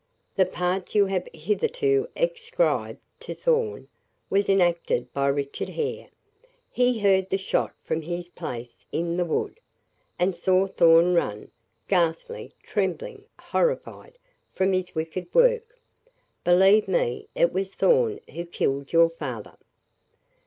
The part you have hitherto ascribed to Thorn, was enacted by Richard Hare. He heard the shot from his place in the wood, and saw Thorn run, ghastly, trembling, horrified, from his wicked work. Believe me, it was Thorn who killed your father."